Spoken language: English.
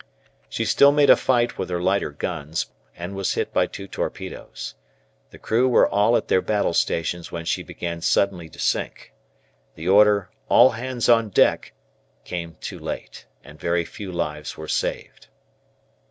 She still made a fight with her lighter guns, and was hit by two torpedoes. The crew were all at their battle stations when she began suddenly to sink. The order, "All hands on deck," came too late, and very few lives were saved.